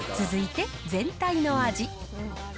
続いて、全体の味。